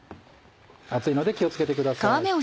熱いので気を付けてください。